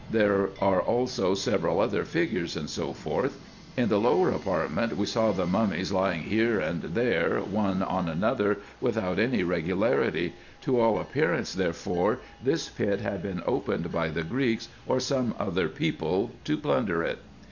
There are also several other figures, &c. In the lower apartment we saw the mummies lying here and there one on another, without any regularity. To all appearance therefore this pit had been opened by the Greeks, or some other people to plunder it.